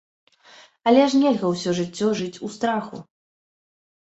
Але ж нельга ўсё жыццё жыць у страху.